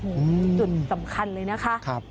โอ้โหจุดสำคัญเลยนะคะ